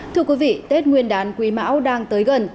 thưa quý vị tết nguyên đán quý mão đang tới gần